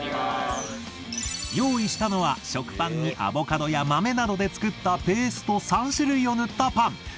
用意したのは食パンにアボカドや豆などで作ったペースト３種類を塗ったパン。